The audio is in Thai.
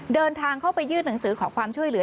เดินทางเข้าไปยื่นหนังสือขอความช่วยเหลือ